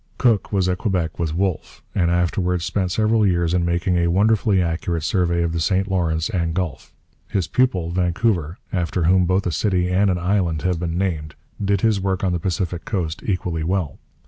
Cook was at Quebec with Wolfe, and afterwards spent several years in making a wonderfully accurate survey of the St Lawrence and Gulf. His pupil, Vancouver, after whom both a city and an island have been named, did his work on the Pacific coast equally well.